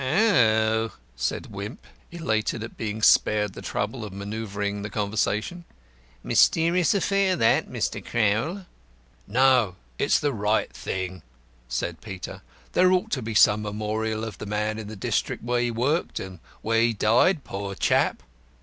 "Ah," said Wimp, elate at being spared the trouble of manoeuvring the conversation; "mysterious affair that, Mr. Crowl." "No; it's the right thing," said Peter. "There ought to be some memorial of the man in the district where he worked and where he died, poor chap."